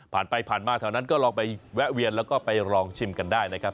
ผ่านไปผ่านมาแถวนั้นก็ลองไปแวะเวียนแล้วก็ไปลองชิมกันได้นะครับ